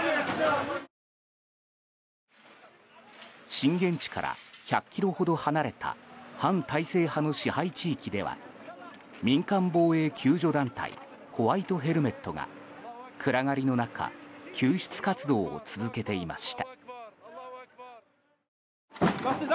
震源地から１００ｋｍほど離れた反体制派の支配地域では民間防衛救助団体ホワイト・ヘルメットが暗がりの中救出活動を続けていました。